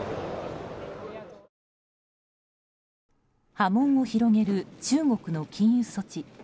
波紋を広げる中国の禁輸措置。